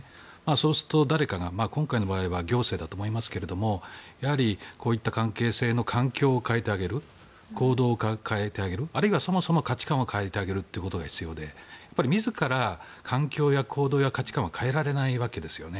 そうすると誰かが今回の場合は行政ですがこういった関係性の環境を変えてあげる行動を変えてあげるあるいはそもそも価値観を変えてあげるということが必要で自ら環境や行動や価値観を変えられないわけですよね。